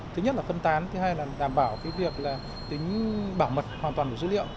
thứ nhất là phân tán thứ hai là đảm bảo việc tính bảo mật hoàn toàn của dữ liệu